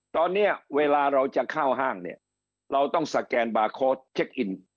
ตอนนี้เวลาเราจะเข้าห้างเนี่ยเราต้องสแกนบาร์โค้ดเช็คอิน